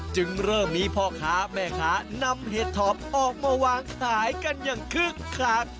จึงเริ่มมีพ่อค้าแม่ค้านำเห็ดถอบออกมาวางขายกันอย่างคึกคัก